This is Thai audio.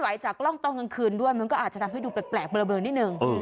จากกล้องตอนกลางคืนด้วยมันก็อาจจะทำให้ดูแปลกเบลอนิดนึง